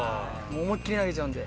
思いっきり投げちゃうんで。